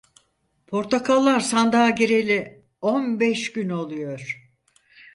Portakallar sandığa gireli on beş gün oluyor.